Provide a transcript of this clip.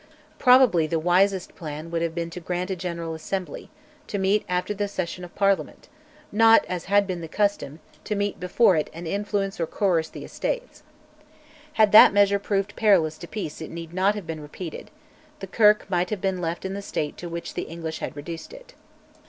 Probably the wisest plan would have been to grant a General Assembly, to meet after the session of Parliament; not, as had been the custom, to meet before it and influence or coerce the Estates. Had that measure proved perilous to peace it need not have been repeated, the Kirk might have been left in the state to which the English had reduced it.